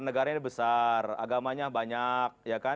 negaranya besar agamanya banyak